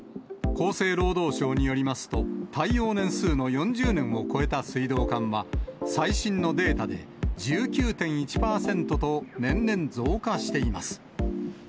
厚生労働省によりますと、耐用年数の４０年を超えた水道管は、最新のデータで１９．１％と、年々増加しています。